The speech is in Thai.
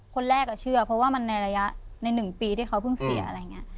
คนแรกเชื่อเพราะว่ามันในระยะใน๑ปีที่เขาเพิ่งเสียอะไรอย่างนี้